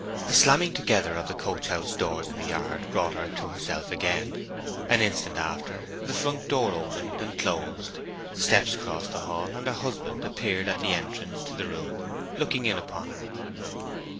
A slamming together of the coach house doors in the yard brought her to herself again. An instant after, the front door opened and closed, steps crossed the hall, and her husband appeared at the entrance to the room, looking in upon her.